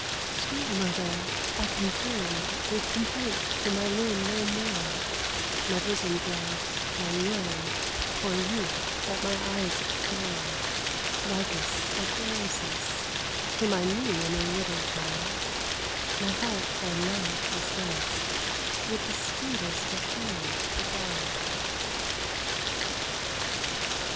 Sweet mother, I can turn With content to my loom no more; My bosom throbs, I yearn For a youth that my eyes adore; Lykas of Eresus, Whom I knew when a little child; My heart by Love is thus With the sweetest of pain beguiled.